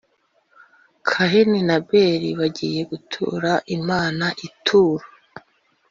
Kayini na Abeli bagiye gutura Imana ituro